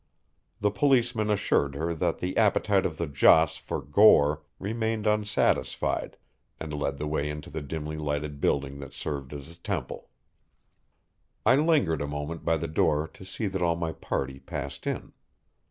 The policeman assured her that the appetite of the joss for gore remained unsatisfied, and led the way into the dimly lighted building that served as a temple. I lingered a moment by the door to see that all my party passed in.